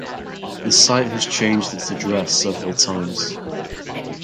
The site has changed its address several times.